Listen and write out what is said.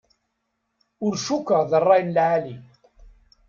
Ur cukkeɣ d rray n lεali.